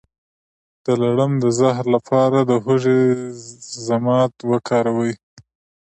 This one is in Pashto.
د لړم د زهر لپاره د هوږې ضماد وکاروئ